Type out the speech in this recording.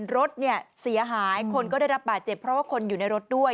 รถเนี่ยเสียหายคนก็ได้รับบาดเจ็บเพราะว่าคนอยู่ในรถด้วย